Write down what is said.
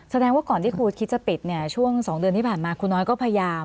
แสดงว่าก่อนที่ครูคิดจะปิดเนี่ยช่วง๒เดือนที่ผ่านมาครูน้อยก็พยายาม